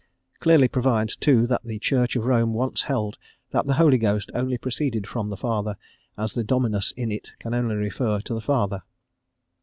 clearly provides, too, that the Church of Rome once held that the Holy Ghost only proceeded from the Father, as the Dominus in it can only refer to the Father.